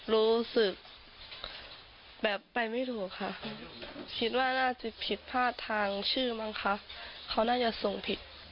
รู้สึกแบบไปไม่ถูกค่ะคิดว่าน่าจะผิดพลาดทางชื่อมั้งคะเขาน่าจะส่งผิด